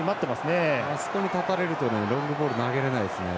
あそこに立たれるとロングボール投げれないですね。